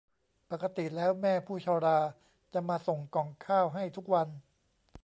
ปกติแล้วแม่ผู้ชราจะมาส่งก่องข้าวให้ทุกวัน